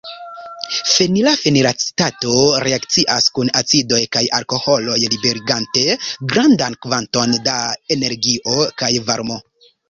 Fenila fenilacetato reakcias kun acidoj kaj alkoholoj liberigante grandan kvanton da energio kaj varmo.